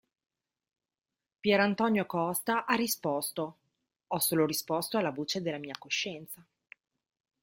Pierantonio Costa ha risposto: ”"Ho solo risposto alla voce della mia coscienza.